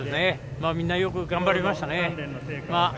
みんなよく頑張りましたね。